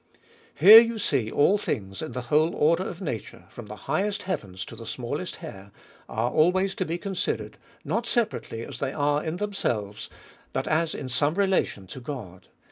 Here you see all things in the whole order of na ture, from the highest heavens to the smallest hair, are always to be considered, not separately as they are in themselves, but as in some relation to God.